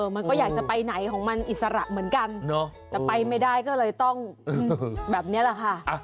มันก็อยากจะไปไหนของมันอิสระเหมือนกันแต่ไปไม่ได้ก็เลยต้องแบบนี้แหละค่ะ